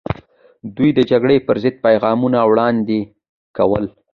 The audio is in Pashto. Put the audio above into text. دوی د جګړې پر ضد پیغامونه وړاندې کول.